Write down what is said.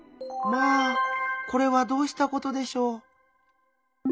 「まあこれはどうしたことでしょう！」。